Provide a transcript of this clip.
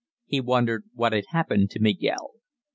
He wondered what had happened to Miguel.